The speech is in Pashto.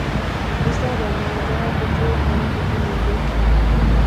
استاده ماده په څو حالتونو کې موندل کیږي